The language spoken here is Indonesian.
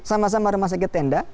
sama sama rumah sakit tenda